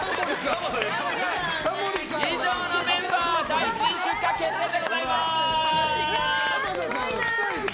以上のメンバー出荷決定でございます！